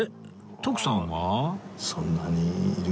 徳さんは？